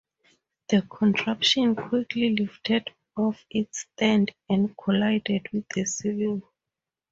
The contraption quickly lifted off its stand and collided with the ceiling.